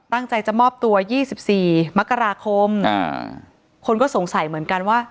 ตั้งใจจะมอบตัวยี่สิบสี่มกราคมอ่าคนก็สงสัยเหมือนกันว่า